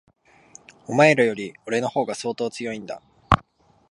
お前らより、俺の方が相当強いんだ。